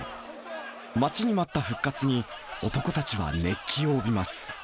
待ちに待った復活に、男たちは熱気を帯びます。